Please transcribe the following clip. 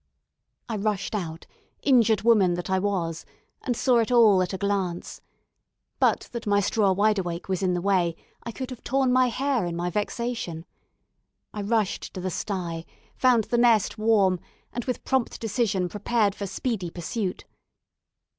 I rushed out, injured woman that I was, and saw it all at a glance. But that my straw wide awake was in the way, I could have torn my hair in my vexation. I rushed to the sty, found the nest warm, and with prompt decision prepared for speedy pursuit.